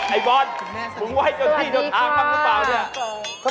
ไอ้บอสมึงไว้ตรงนี้จนตามหรือเปล่านี่สวัสดีครับ